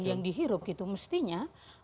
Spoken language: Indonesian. yang dihirup mestinya